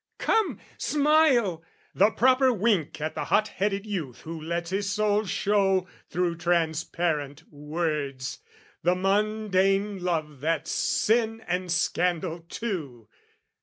Come, smile! The proper wink at the hot headed youth Who lets his soul show, through transparent words, The mundane love that's sin and scandal too!